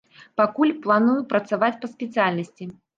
Пакуль, планую працаваць па спецыяльнасці.